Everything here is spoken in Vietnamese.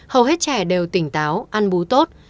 hầu hết trẻ đều tỉnh táo ăn bú tốt